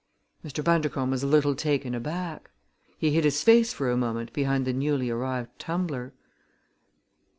Mr. Bundercombe was a little taken aback. He hid his face for a moment behind the newly arrived tumbler.